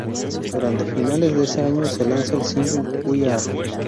Durante finales de este año se lanza el single ""We are.